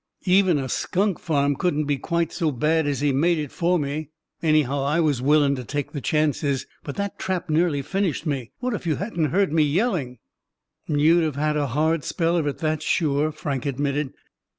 Even a skunk farm couldn't be quite so bad as he made it for me; anyhow, I was willin' to take the chances. But that trap nearly finished me. What if you hadn't heard me yelling?" "You'd have had a hard spell of it, that's sure," Frank admitted.